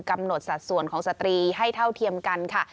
สัดส่วนของสตรีให้เท่าเทียมกันค่ะ